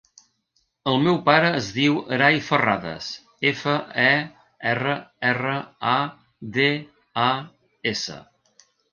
El meu pare es diu Aray Ferradas: efa, e, erra, erra, a, de, a, essa.